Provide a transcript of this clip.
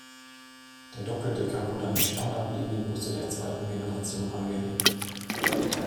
Der Doppeldecker wurde an die Standard-Linienbusse der zweiten Generation angelehnt.